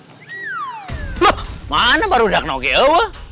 loh mana pak rudak nongke awa